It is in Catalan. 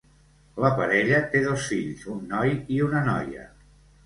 La parella té dos fills un noi i una noia.